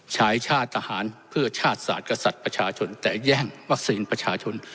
ชายชาติทหารเพื่อชาติศาสตร์กษัตริย์ประชาชนแต่แย่งวัคซีนประชาชน